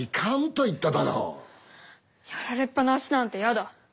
やられっぱなしなんてやだ！